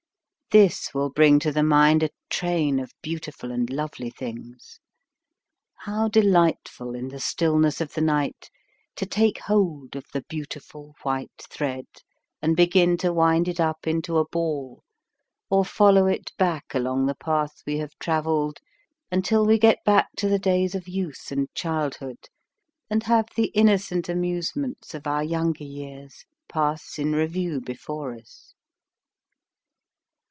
This will bring to the mind a train of beautiful and lovely things. How delightful in the stillness of the night to take hold of the beautiful white thread and begin to wind it up into a ball or follow ft back along the path we have traveled until we get back to the days of youth and childhood, and have the innocent amusements of our younger years pass in review before us.